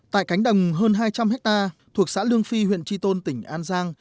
tại cánh đồng hơn hai trăm linh hectare thuộc xã lương phi huyện tri tôn tỉnh an giang